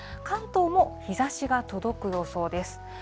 関東も日ざしが届く予想です。